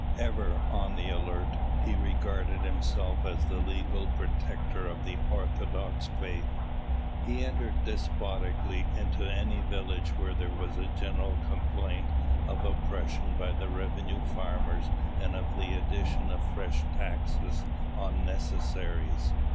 Ever on the alert, he regarded himself as the legal protector of the orthodox faith. He entered despotically into any village where there was a general complaint of oppression by the revenue farmers and of the addition of fresh taxes on necessaries.